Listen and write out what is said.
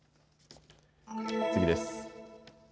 次です。